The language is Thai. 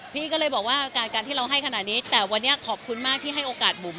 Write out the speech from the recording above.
พี่ก็เลยบอกว่าการที่เราให้ขนาดนี้แต่วันนี้ขอบคุณมากที่ให้โอกาสบุ๋ม